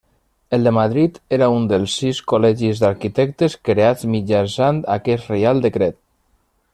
El de Madrid era un dels sis col·legis d'arquitectes creats mitjançant aquest reial decret.